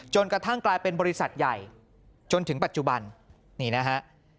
กระทั่งกลายเป็นบริษัทใหญ่จนถึงปัจจุบันนี่นะฮะ